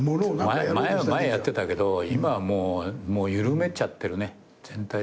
前はやってたけど今はもう緩めちゃってるね全体。